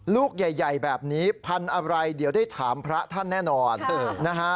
ลูกใหญ่แบบนี้พันธุ์อะไรเดี๋ยวได้ถามพระท่านแน่นอนนะฮะ